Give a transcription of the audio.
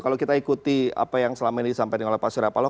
kalau kita ikuti apa yang selama ini disampaikan oleh pak surya paloh